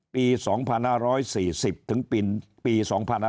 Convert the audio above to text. ปี๒๕๔๐ถึงปี๒๕๕๙